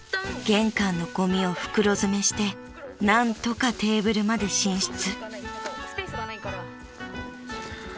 ［玄関のゴミを袋詰めして何とかテーブルまで進出］